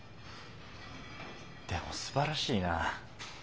でもすばらしいなぁ。